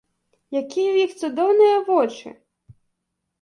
Якія ў іх цудоўныя вочы!